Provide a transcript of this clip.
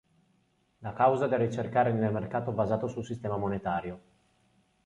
La causa è da ricercare nel mercato basato sul sistema monetario.